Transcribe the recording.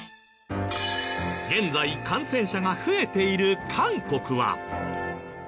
現在感染者が増えている韓国は。